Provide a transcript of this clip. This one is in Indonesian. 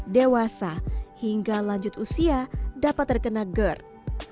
dewasa hingga lanjut usia dapat terkena gerd